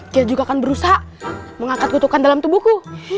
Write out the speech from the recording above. dia juga akan berusaha mengangkat kutukan dalam tubuhku